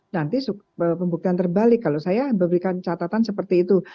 nanti pembuktian terbalik kalau saya memberikan catatan seperti itu